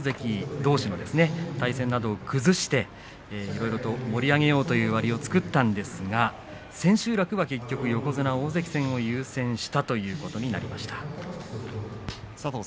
いろいろと盛り上げようという割は作ったんですが千秋楽は結局横綱大関戦を優先したということになりました。